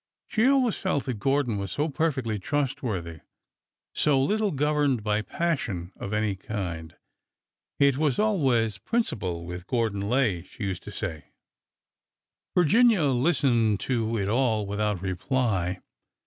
She always felt that Gordon was so perfectly trustworthy— so little governed by pas sion of any kind. It was always principle with Gordon Lay, she used to say." Virginia listened to it all without reply.